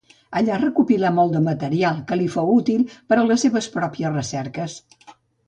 Allà recopilà molt de material que li fou útil per a les seves pròpies recerques.